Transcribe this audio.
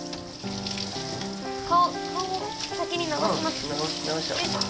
顔を先に流します。